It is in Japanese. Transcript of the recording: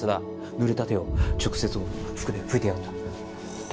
ぬれた手を直接服で拭いてやがった。